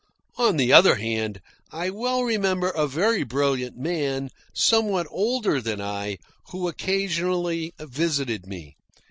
On the other hand, I well remember a very brilliant man, somewhat older than I, who occasionally visited me.